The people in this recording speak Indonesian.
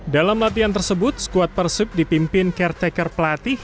dalam latihan tersebut skuad persib dipimpin caretaker pelatih